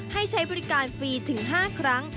ให้ใช้บริการฟรีถึง๕ครั้ง